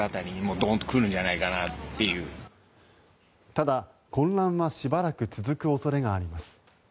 ただ、混乱はしばらく続く恐れがあります。